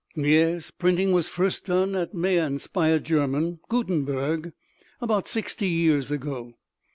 Yes, printing was first done at Mayence by a German, Gutenberg, about sixty years ago.